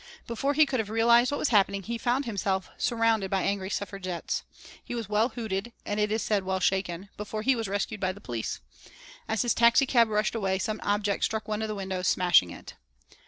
Before he could have realised what was happening he found himself surrounded by angry Suffragettes. He was well hooted and, it is said, well shaken, before he was rescued by the police. As his taxicab rushed away some object struck one of the windows, smashing it.